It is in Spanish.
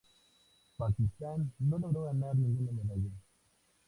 Pakistán no logró ganar ninguna medalla.